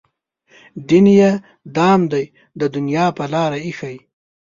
دین یې دام دی د دنیا په لاره ایښی.